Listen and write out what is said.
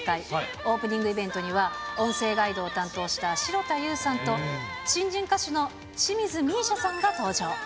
オープニングイベントには、音声ガイドを担当した城田優さんと、新人歌手の清水美依紗さんが登場。